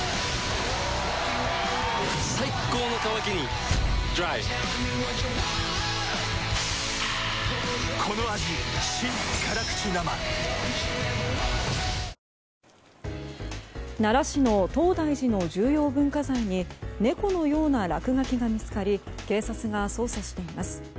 最高の渇きにＤＲＹ奈良市の東大寺の重要文化財に猫のような落書きが見つかり警察が捜査しています。